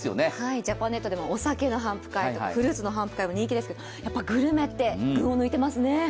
ジャパネットでもお酒の頒布会とかフルーツの頒布会とか人気ですけどやっぱりグルメって、群を抜いてますね。